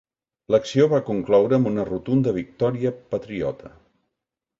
L'acció va concloure amb una rotunda victòria patriota.